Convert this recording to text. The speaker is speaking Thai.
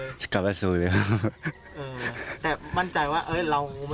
แต่มั่นใจว่าเราไม่ได้ยุ่งเกี่ยวใช่ไหมครับ